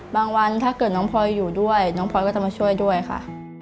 วันถ้าเกิดน้องพลอยอยู่ด้วยน้องพลอยก็จะมาช่วยด้วยค่ะ